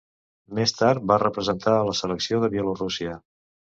Més tard va representar a la selecció de Bielorússia.